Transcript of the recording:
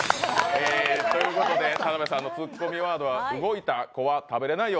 ということで田辺さんのツッコミワードは動いた、怖っ、食べれないよ